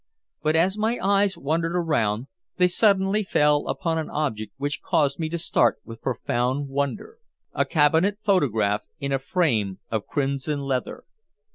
But as my eyes wandered around they suddenly fell upon an object which caused me to start with profound wonder a cabinet photograph in a frame of crimson leather.